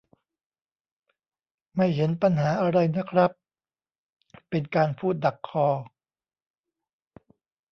ไม่เห็นปัญหาอะไรนะครับ เป็นการพูดดักคอ